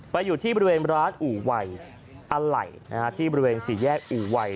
ไปอยู่ที่บริเวณร้านอูไหวอาไหล่ที่บริเวณศรีแยกอูไหว